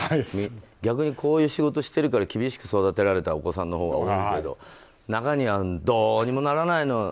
逆にこういう仕事してるから厳しく育てられたお子さんのほうが多いけど中には、どうにもならないの。